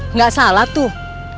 nggak salah tuh